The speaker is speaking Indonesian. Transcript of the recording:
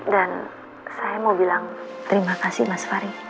dan saya mau bilang terima kasih mas fari